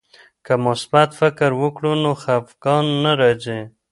که مثبت فکر وکړو نو خفګان نه راځي.